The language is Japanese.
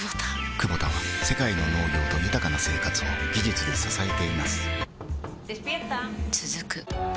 クボタは世界の農業と豊かな生活を技術で支えています起きて。